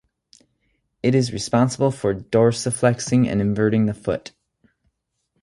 It is responsible for dorsiflexing and inverting the foot.